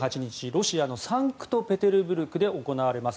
ロシアのサンクトペテルブルクで行われます